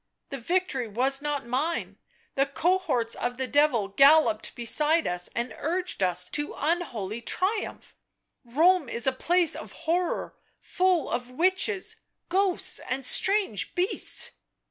The victory was not mine — the cohorts of the Devil galloped beside ns and urged us to unholy triumph— Rome is a place of horror, full of witches, ghosts and strange beasts